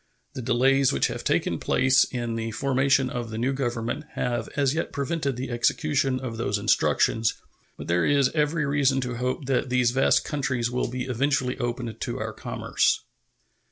The delays which have taken place in the formation of the new government have as yet prevented the execution of those instructions, but there is every reason to hope that these vast countries will be eventually opened to our commerce.